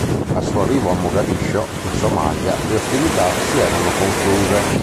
Al suo arrivo a Mogadiscio, in Somalia, le ostilità si erano concluse.